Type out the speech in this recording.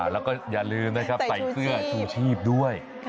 แล้วก็อย่าลืมนะครับใส่เสื้อชูชีพด้วย